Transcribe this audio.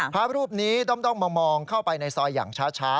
พระรูปนี้ด้อมมามองเข้าไปในซอยอย่างช้า